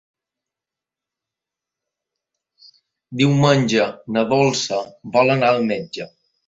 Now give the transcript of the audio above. Diumenge na Dolça vol anar al metge.